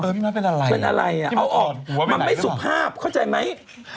มันเป็นอะไรที่มาถอดหัวไปไหนหรือเปล่าเอาออกมันไม่สุภาพเข้าใจไหม